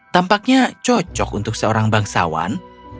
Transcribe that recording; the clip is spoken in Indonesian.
tampaknya cocok untuk seorang bangsawan